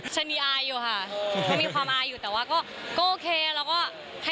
ฉันดิอายอยู่ค่ะ